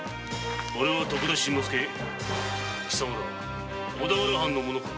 オレは徳田新之助貴様らは小田原藩の者か？